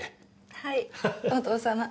はいお父様。